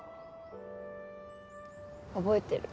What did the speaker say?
覚えてる。